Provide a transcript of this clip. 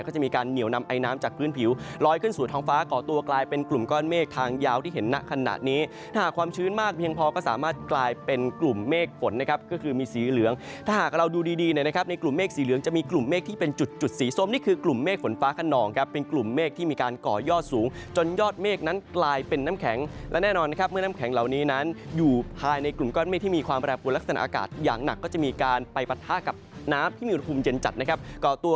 จะมีการเหนียวนำไอน้ำจากพื้นผิวลอยขึ้นสู่ท้องฟ้าก่อตัวกลายเป็นกลุ่มก้อนเมฆทางยาวที่เห็นนะขนาดนี้ถ้าหากความชื้นมากเพียงพอก็สามารถกลายเป็นกลุ่มเมฆฝนนะครับก็คือมีสีเหลืองถ้าหากเราดูดีในกลุ่มเมฆสีเหลืองจะมีกลุ่มเมฆที่เป็นจุดสีส้มนี่คือกลุ่มเมฆฝนฟ้า